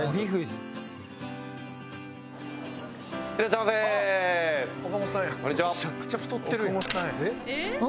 めちゃくちゃ太ってるやん。